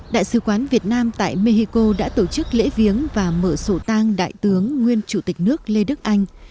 đại sứ quán việt nam tại mexico đã tổ chức lễ viếng và mở sổ tang đại tướng nguyên chủ tịch nước lê đức anh